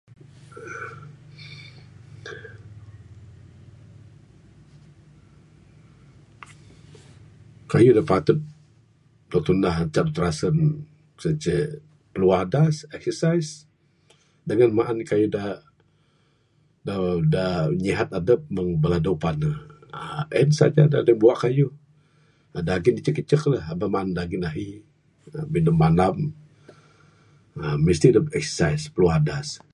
Kayuh da patut dog tunah cak tirasen sien inceh piluah adas, exercise, dengan maan kayuh da da da nyihat adep meng bala dawe pane aaa en saja da deh bua kayuh, aaa daging icek icek lah aba maan daging ahi bin ne manam aaa misti dep exercise piluah adas.